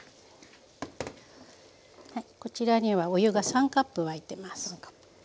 こちらにはお湯が３カップ沸いてます。